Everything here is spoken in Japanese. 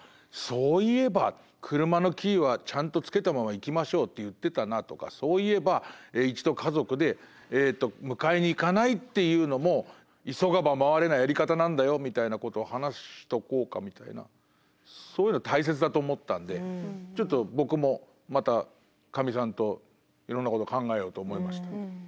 そういえば車のキーはちゃんとつけたまま行きましょうって言ってたなとかそういえば一度家族でえっと迎えに行かないっていうのも「急がば回れ」なやり方なんだよみたいなことを話しとこうかみたいなそういうの大切だと思ったんでちょっと僕もまたかみさんといろんなこと考えようと思いました。